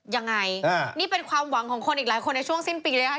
ยังไงนี่เป็นความหวังของคนอีกหลายคนในช่วงสิ้นปีเลยนะคะ